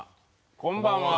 こんばんは。